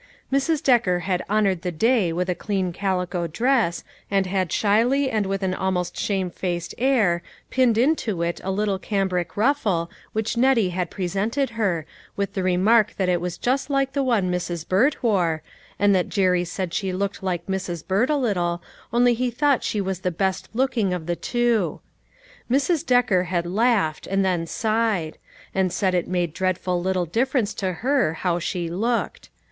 Mrs. Decker had honored the day with a clean calico dress, and had shyly and with an almost shamefaced air, pinned into it a little cambric ruffle which Nettie had pre sented her, with the remark that it was just like the one Mrs. Burt wore, and that Jerry said she looked like Mrs. Burt a little, only he thought she was the best looking of the two. Mrs. Decker had laughed, and then sighed ; and said it made dreadful little difference to her how she looked.